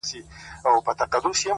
ولي مي هره شېبه هر ساعت پر اور کړوې ـ